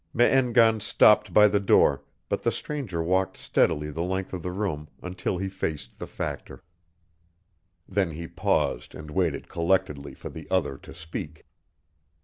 Me en gan stopped by the door, but the stranger walked steadily the length of the room until he faced the Factor. Then he paused and waited collectedly for the other to speak.